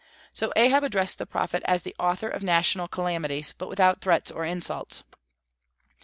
So Ahab addressed the prophet as the author of national calamities, but without threats or insults.